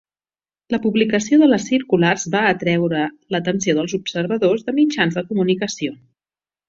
La publicació de les circulars va atreure l'atenció dels observadors de mitjans de comunicació.